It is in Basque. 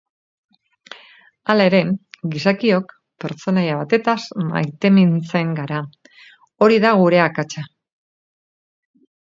Hala ere, gizakiok pertsonaia batetaz maitemintzen gara, hori da gure akatsa.